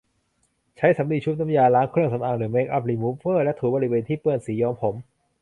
ใช้สำลีชุบน้ำยาล้างเครื่องสำอางหรือเมคอัพรีมูฟเวอร์ และถูบริเวณที่เปื้อนสีย้อมผม